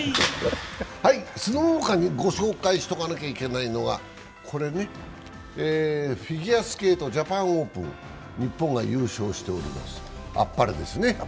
その他にご紹介しとかなきゃいけないのはフィギュアスケート・ジャパンオープン、日本が優勝しております、あっぱれですね。